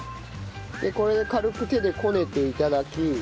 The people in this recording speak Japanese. これで軽く手でこねて頂き。